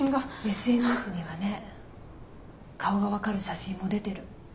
ＳＮＳではね顔が分かる写真も出てる。